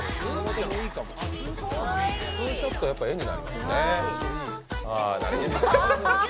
ツーショット、やっぱ絵になりますね。